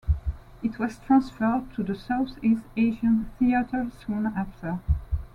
It was transferred to the South-East Asian Theatre soon after.